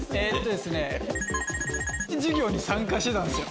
で授業に参加してたんですよ。